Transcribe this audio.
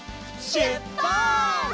しゅっぱつ！